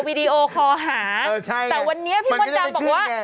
เพื่อนเยอะอีกแล้ว